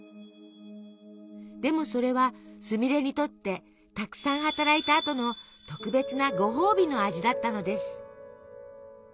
でもそれはすみれにとってたくさん働いた後の特別な「ごほうびの味」だったのです。